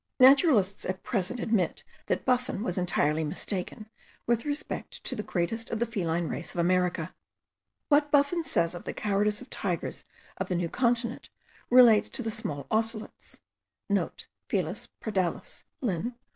Naturalists at present admit that Buffon was entirely mistaken with respect to the greatest of the feline race of America. What Buffon says of the cowardice of tigers of the new continent, relates to the small ocelots.* (* Felis pardalis, Linn.